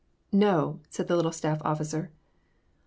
"No/* said the litUe staflF officer.